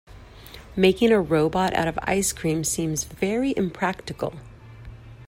Making a robot out of ice cream seems very impractical.